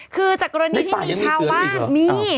คือจากกรณีที่มีชาวบ้านมี